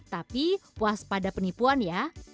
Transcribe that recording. tapi puas pada penipuan ya